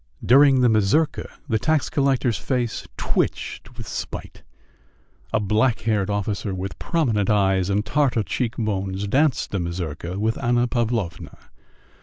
During the mazurka the tax collector's face twitched with spite. A black haired officer with prominent eyes and Tartar cheekbones danced the mazurka with Anna Pavlovna.